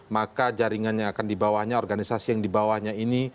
maka jaringannya akan dibawahnya organisasi yang dibawahnya ini